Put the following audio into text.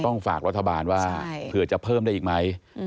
ฝากรัฐบาลว่าเผื่อจะเพิ่มได้อีกไหม